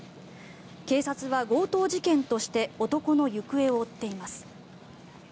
警察は強盗事件として男の行方を追っています。